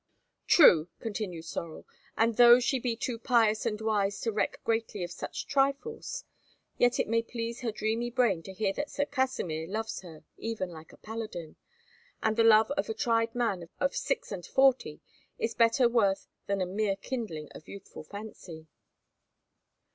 "True," continued Sorel; "and though she be too pious and wise to reck greatly of such trifles, yet it may please her dreamy brain to hear that Sir Kasimir loves her even like a paladin, and the love of a tried man of six and forty is better worth than a mere kindling of youthful fancy."